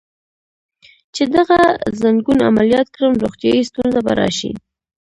چې دغه ځنګون عملیات کړم، روغتیایی ستونزه به راشي.